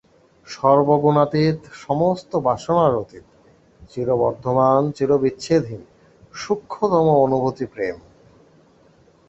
সর্বগুণাতীত, সমস্ত বাসনার অতীত, চিরবর্ধমান, চিরবিচ্ছেদহীন, সূক্ষ্মতম অনুভূতি প্রেম।